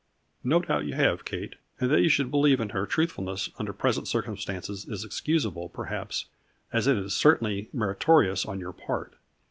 "No doubt you have Kate, and that you should believe in her truthfulness under present circumstances is excusable perhaps, as it is cer tainly meritorious on your part.